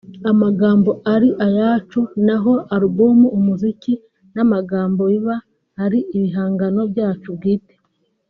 amagambo ari ayacu naho album umuziki n’amagambo biba ari ibihangano byacu bwite”